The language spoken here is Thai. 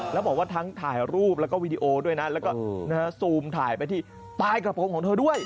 แล้วบอกว่าทั้งถ่ายรูปแล้วก็วีดีโอด้วยนะแล้วก็ซูมถ่ายไปที่ใต้กระโปรงของเธอด้วย